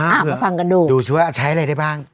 อ้าวมาฟังกันดูดูชื่อว่าใช้อะไรได้บ้าง